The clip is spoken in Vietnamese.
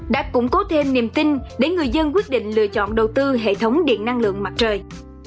đã củng cố thêm niềm tin để người dân quyết định lựa chọn đầu tư hệ thống điện năng lượng mặt trời